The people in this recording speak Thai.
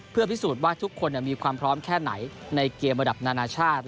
เพื่อพิสูจน์ว่าทุกคนมีความพร้อมแค่ไหนในเกมระดับนานาชาติ